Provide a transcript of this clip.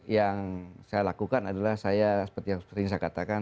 yang saya lakukan adalah saya seperti yang saya katakan